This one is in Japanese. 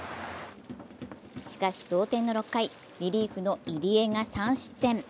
しかし同点の６回、リリーフの入江が３失点。